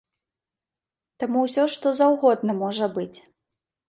Там усё што заўгодна можа быць.